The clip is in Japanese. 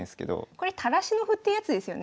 これ垂らしの歩ってやつですよね